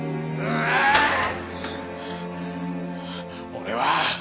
俺は。